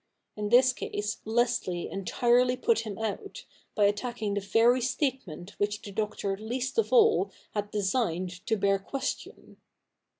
In this case Leslie entirely put him out, by attacking the very statement which the Doctor least of all had designed to bear question.